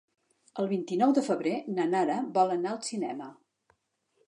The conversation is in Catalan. El vint-i-nou de febrer na Nara vol anar al cinema.